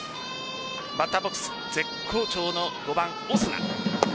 バッターボックス絶好調の５番・オスナ。